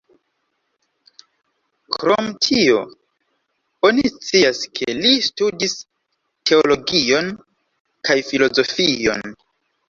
Krom tio, oni scias ke li studis teologion kaj filozofion.